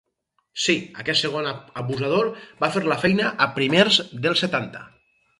Sí, aquest segon abusador va fer la feina a primers dels setanta.